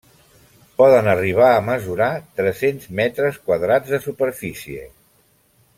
Poden arribar a mesurar tres-cents metres quadrats de superfície.